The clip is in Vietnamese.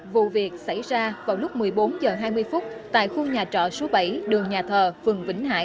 vụ việc xảy ra vào lúc một mươi bốn h hai mươi phút tại khu nhà trọ số bảy đường nhà thờ phường vĩnh hải